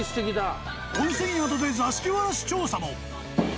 温泉宿で座敷わらし調査も。